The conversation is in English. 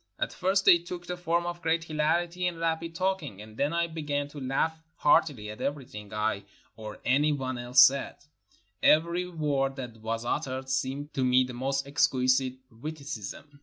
At first they took the form of great hilarity and rapid talking; then I began to laugh heartily at everything I or any one else said ; every word that was uttered seemed to me the most exquisite witticism.